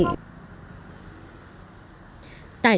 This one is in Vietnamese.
đại hội thành phố